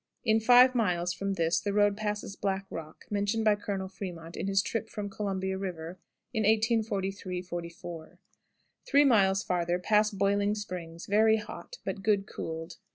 In five miles from this the road passes Black Rock, mentioned by Colonel Frémont in his trip from Columbia River in 1843 4. Three miles farther pass boiling springs, very hot, but good cooled.